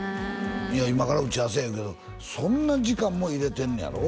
今から打ち合わせや言うけどそんな時間も入れてんねやろ？